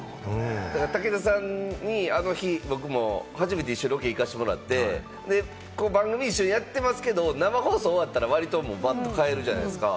武田さんにあの日初めて一緒にロケ行かしてもらって番組一緒にやってますけれども、生放送終わったら、わりとバッと帰るじゃないですか。